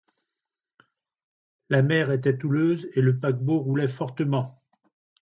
La mer était houleuse, et le paquebot roulait fortement.